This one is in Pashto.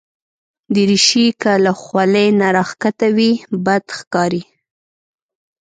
دریشي که له خولې نه راښکته وي، بد ښکاري.